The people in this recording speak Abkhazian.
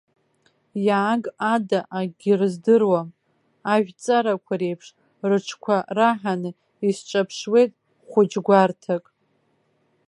Иааг ада акгьы рыздыруам, ажәҵарақәа реиԥш рыҿқәа раҳаны исҿаԥшуеит хәыҷ гәарҭак.